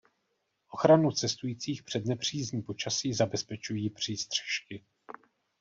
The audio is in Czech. Ochranu cestujících před nepřízní počasí zabezpečují přístřešky.